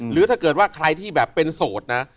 หรือถ้าเกิดว่าใครที่แบบเป็นโสดนะ